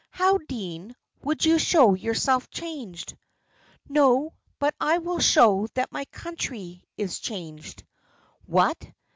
"How, dean! would you show yourself changed?" "No, but I will show that my country is changed." "What!